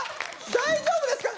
大丈夫ですか？